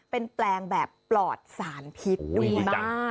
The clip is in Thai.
เป็นแปลงแบบปลอดสารภีษโอ๋ยดีจักรมากไม่มียากฆ่าแมลง